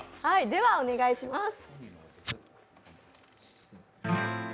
ではお願いします。